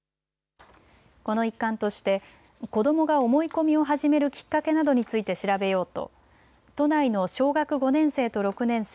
この一環として子どもが思い込みを始めるきっかけなどについて調べようと都内の小学５年生と６年生